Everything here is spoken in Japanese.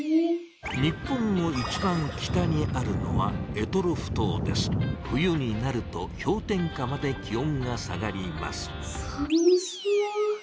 日本の一番北にあるのは冬になるとひょう点下まで気おんが下がりますさむそう。